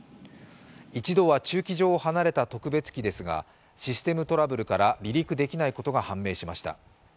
一度は駐機場を離れた特別機ですが、システムトラブルから離陸できないことが判明しました。